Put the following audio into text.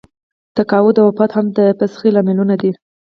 تقاعد او وفات هم د فسخې لاملونه دي.